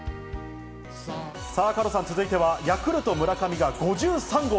加藤さん、続いては、ヤクルト・村上が５３号。